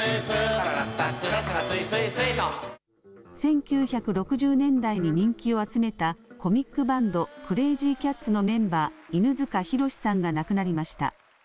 １９６０年代に人気を集めたコミックバンドクレージーキャッツのメンバー犬塚弘さんが亡くなりました。